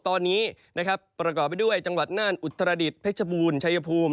ตอนนี้นะครับประกอบไปด้วยจังหวัดน่านอุตรดิษฐเพชรบูรณ์ชายภูมิ